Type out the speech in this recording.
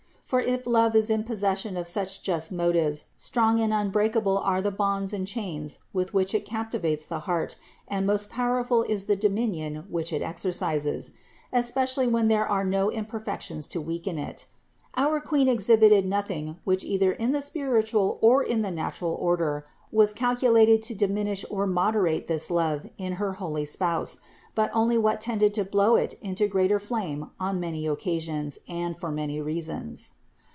For if love is in possession of such just motives, strong and unbreakable are the bonds and chains with which it cap tivates the heart and most powerful is the dominion which 324 CITY OF GOD it exercises ; especially when there are no imperfections to weaken it. Our Queen exhibited nothing which either in the spiritual or in the natural order was calculated to diminish or moderate this love in her holy spouse, but only what tended to blow it into greater flame on many occasions and for many reasons.